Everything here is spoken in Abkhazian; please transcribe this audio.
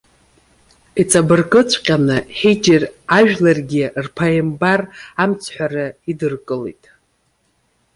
Иҵабыргыҵәҟьаны, Ҳиџьр ажәларгьы рԥааимбар амцҳәара идыркылеит.